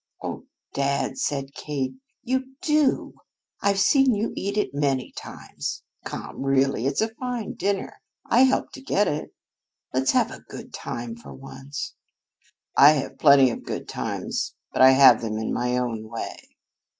"Oh, dad!" cried Kate; "you do! I've seen you eat it many times! Come, really it's a fine dinner. I helped to get it. Let's have a good time for once." "I have plenty of good times, but I have them in my own way."